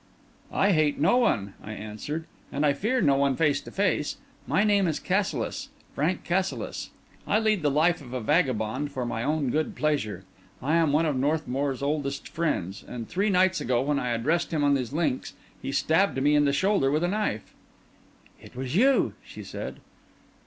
"I hate no one," I answered; "and I fear no one face to face. My name is Cassilis—Frank Cassilis. I lead the life of a vagabond for my own good pleasure. I am one of Northmour's oldest friends; and three nights ago, when I addressed him on these links, he stabbed me in the shoulder with a knife." "It was you!" she said.